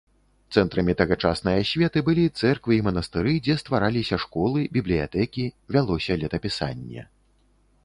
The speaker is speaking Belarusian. Цэнтрамі тагачаснай асветы былі цэрквы і манастыры, дзе ствараліся школы, бібліятэкі, вялося летапісанне.